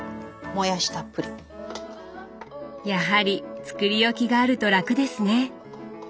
やはり作り置きがあると楽ですね。